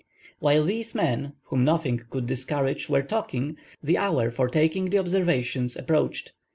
While these men, whom nothing could discourage, were talking, the hour for taking the observation approached.